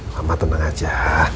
mama tenang aja